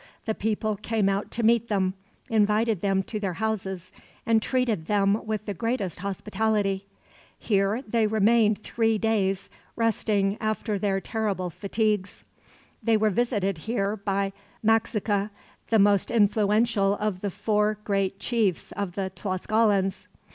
The people came out to meet them, invited them to their houses, and treated them with the greatest hospitality. Here they remained three days, resting after their terrible fatigues. They were visited here by Maxixca, the most influential of the four great chiefs of the Tlascalans.